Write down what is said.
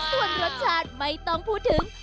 ส่วนรสชาติไม่ต้องพูดถึง